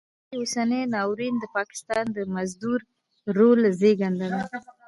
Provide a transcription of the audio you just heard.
په سیمه کې اوسنی ناورین د پاکستان د مزدور رول زېږنده ده.